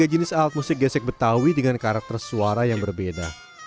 yang pertama adalah kualitas musik gesek betawi dengan karakter suara yang berbeda